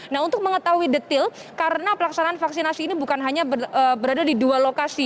nah untuk mengetahui detail karena pelaksanaan vaksinasi ini bukan hanya berada di dua lokasi